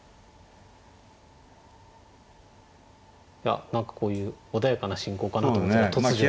いや何かこういう穏やかな進行かなと思ってたら突如。